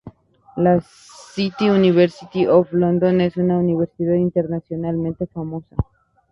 La City, University of London es una universidad internacionalmente famosa.